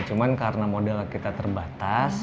cuma karena modal kita terbatas